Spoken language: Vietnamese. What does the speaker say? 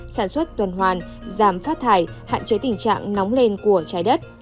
sản xuất tuần hoàn giảm phát thải hạn chế tình trạng nóng lên của trái đất